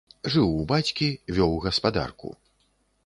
Жыў у бацькі, вёў гаспадарку.